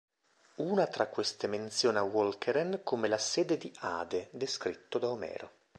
Una fra queste menziona Walcheren come la sede di Ade, descritto da Omero.